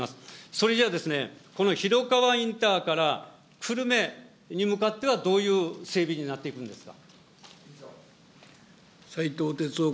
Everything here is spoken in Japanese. それじゃあですね、この広川インターから久留米に向かっては、どういう整備になっていくんですか。